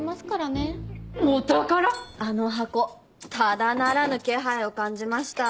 あの箱ただならぬ気配を感じました。